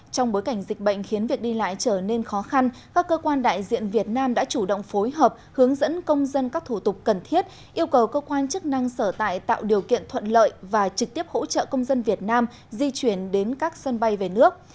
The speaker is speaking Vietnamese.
trong bối cảnh dịch bệnh khiến việc đi lại trở nên khó khăn các cơ quan đại diện việt nam đã chủ động phối hợp hướng dẫn công dân các thủ tục cần thiết yêu cầu cơ quan chức năng sở tại tạo điều kiện thuận lợi và trực tiếp hỗ trợ công dân việt nam di chuyển đến các sân bay về nước